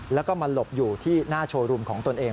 แล้วก็มาหลบอยู่ที่หน้าโชว์รูมของตนเอง